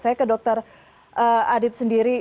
saya ke dokter adip sendiri